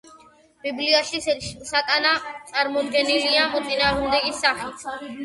ბიბლიაში სატანა წარმოდგენილია მოწინააღმდეგის სახით.